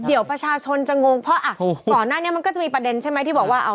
เดี๋ยวประชาชนจะงงเพราะอ่ะก่อนหน้านี้มันก็จะมีประเด็นใช่ไหมที่บอกว่า